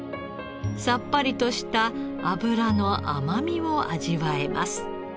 さっぱりとした脂の甘みを味わえます。